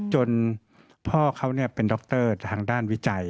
จนพ่อเขาเป็นดรทางด้านวิจัย